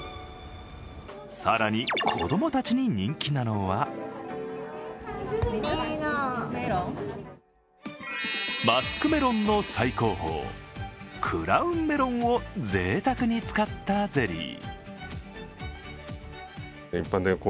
更に、子供たちに人気なのはマスクメロンの最高峰クラウンメロンをぜいたくに使ったゼリー。